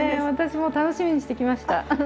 私も楽しみにしてきました。